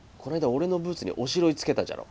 俺のブーツにおしろいつけたじゃろ？